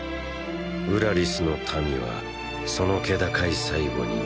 ウラリスの民はその気高い最期に涙する。